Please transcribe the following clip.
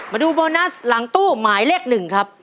มาดูโบนัสหลังตู้หมายเลข๑ครับ